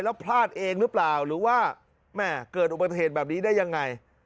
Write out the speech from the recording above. แล้วพลาดเองหรือเปล่าหรือว่าแม่เกิดอุบัติเหตุแบบนี้ได้ยังไง